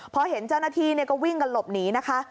พอเห็นเจ้าหน้าที่ก็วิ่งกันหลบหนีนะคะ